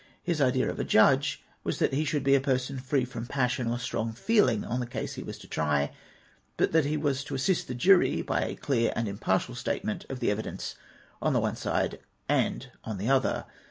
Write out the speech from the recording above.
His idea of a judge was that he should be a person free from passion or strong feeling on the case he was to try ; but that he was to assist the jury by a clear and impartial statement of the evidence on tlie one side and on the other.